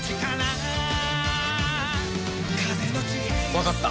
わかった。